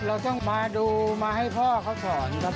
เราต้องมาดูมาให้พ่อเขาสอนครับ